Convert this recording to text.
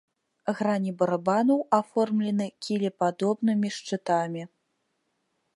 Грані барабанаў аформлены кілепадобнымі шчытамі.